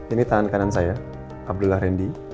ini tangan kanan saya abdullah randy